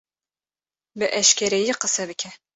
Bi eşkereyî qise bike!